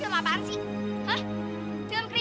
lupakan sajalah aku